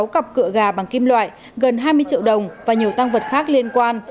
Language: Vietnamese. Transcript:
một mươi sáu cặp cửa gà bằng kim loại gần hai mươi triệu đồng và nhiều tăng vật khác liên quan